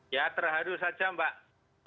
ya terharu saja mbak